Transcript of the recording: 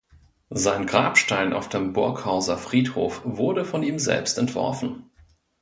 Sein Grabstein auf dem Burghauser Friedhof wurde von ihm selbst entworfen.